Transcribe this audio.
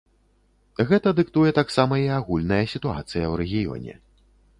Гэта дыктуе таксама і агульная сітуацыя ў рэгіёне.